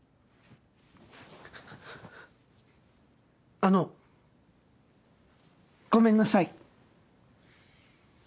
あのごめんなさい！